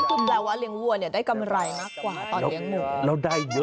หมู่แบบว่าเลี้ยงวัวเนี่ยได้กำไรมากกว่าตอนเลี้ยงหลวง